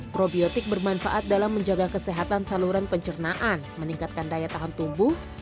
probiotik bermanfaat dalam menjaga kesehatan saluran pencernaan meningkatkan daya tahan tubuh